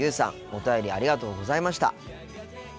お便りありがとうございました。